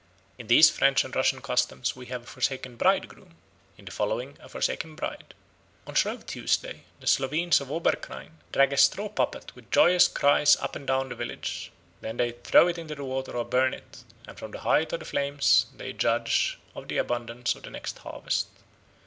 In these French and Russian customs we have a forsaken bridegroom, in the following a forsaken bride. On Shrove Tuesday the Slovenes of Oberkrain drag a straw puppet with joyous cries up and down the village; then they throw it into the water or burn it, and from the height of the flames they judge of the abundance of the next harvest.